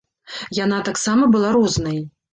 Яна таксама была рознай.